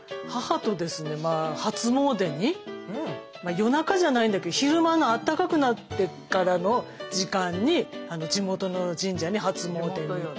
夜中じゃないんだけど昼間のあったかくなってからの時間に地元の神社に初詣に行って。